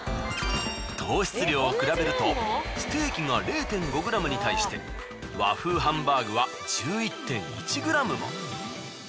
糖質量を比べるとステーキが０．５ｇに対して和風ハンバーグは１１．１ｇも。